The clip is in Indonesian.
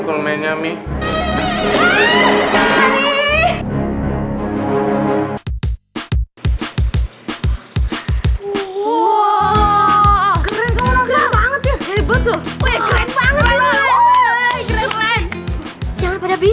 kalo main mainnya mi